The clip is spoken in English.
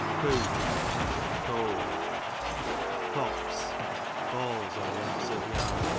Cooth, a cold. Cops, balls or lumps of yarn.